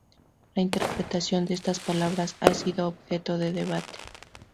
La interpretación de estas palabras ha sido objeto de debate.